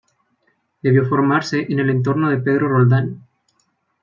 Debió de formarse en el entorno de Pedro Roldán.